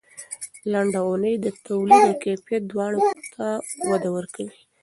لنډه اونۍ د تولید او کیفیت دواړو ته وده ورکوي.